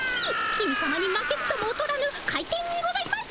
公さまに負けずともおとらぬ回転にございます。